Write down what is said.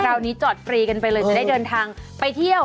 นี้จอดฟรีกันไปเลยจะได้เดินทางไปเที่ยว